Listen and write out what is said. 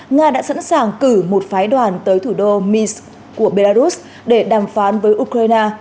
nga đã sẵn sàng cử một phái đoàn tới thủ đô mis của belarus để đàm phán với ukraine